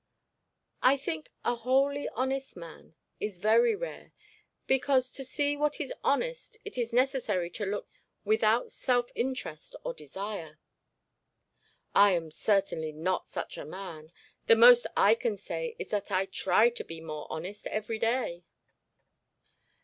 'I think a wholly honest man is very rare, because to see what is honest it is necessary to look at things without self interest or desire.' 'I am certainly not such a man. The most I can say is that I try to be more honest every day.'